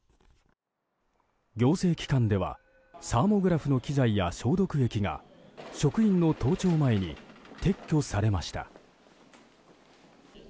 行政機関ではサーモグラフの機材や消毒液が職員の登庁前に撤去されました。